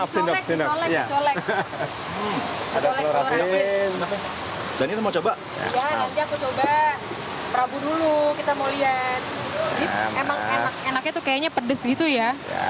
coba coba dulu kita mau lihat enaknya pedes gitu ya